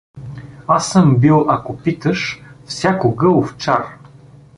Аз съм бил, ако питаш, всякога овчар.